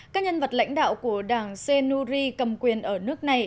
các nhân vật lãnh đạo của đảng senuri cầm quyền ở nước này